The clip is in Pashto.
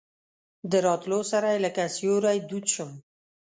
د راتلو سره یې لکه سیوری دود شم.